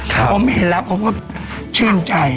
ผมเห็นแล้วผมก็ชื่นใจ